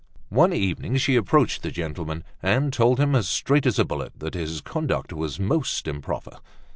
One evening she approached the gentleman, and told him, as straight as a bullet, that his conduct was most improper.